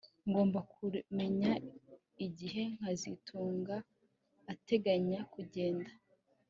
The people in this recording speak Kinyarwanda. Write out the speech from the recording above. Ngomba kumenya igihe kazitunga ateganya kugenda